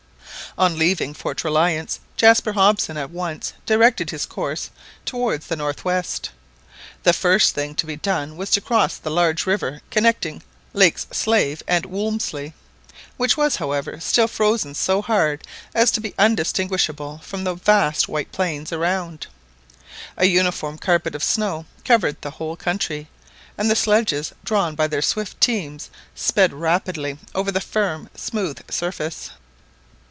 On leaving Fort Reliance, Jaspar Hobson at once directed his course towards the north west. The first thing to be done was to cross the large river connecting Lakes Slave and Wolmsley, which was, however, still frozen so hard as to be undistinguishable from the vast white plains around. A uniform carpet of snow covered the whole country, and the sledges, drawn by their swift teams, sped rapidly over the firm smooth surface.